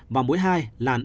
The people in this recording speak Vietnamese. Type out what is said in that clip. và mũi hai là